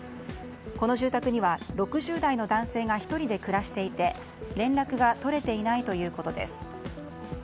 この住宅には６０代の男性が１人で暮らしていて連絡が取れていないということです。